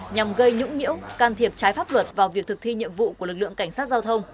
nhằm gây nhũng nhiễu can thiệp trái pháp luật vào việc thực thi nhiệm vụ của lực lượng cảnh sát giao thông